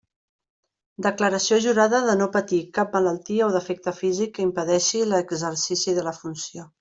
Declaració jurada de no patir cap malaltia o defecte físic que impedeixi l'exercici de la funció.